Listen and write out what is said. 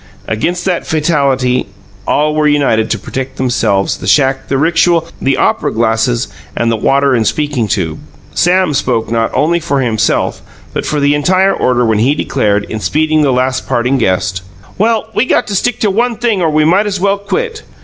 Against that fatality, all were united to protect themselves, the shack, the rixual, the opera glasses and the water and speaking tube. Sam spoke not only for himself but for the entire order when he declared, in speeding the last parting guest: "Well, we got to stick to one thing or we might as well quit!